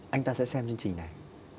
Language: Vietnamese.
anh ta sẽ xem chương trình này